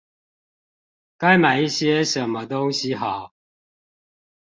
該買一些什麼東西好